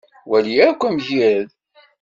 Wali akk amgired.